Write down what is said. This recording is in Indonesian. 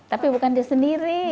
tapi bukan dia sendiri